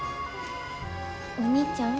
お兄ちゃん？